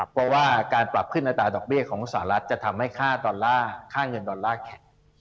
เพราะว่าการปรับขึ้นอัตราดอกเบี้ยของสหรัฐจะทำให้ค่าดอลลาร์ค่าเงินดอลลาร์แข็ง